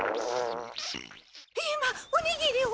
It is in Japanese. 今おにぎりを。